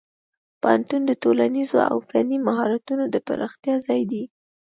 پوهنتون د ټولنیزو او فني مهارتونو د پراختیا ځای دی.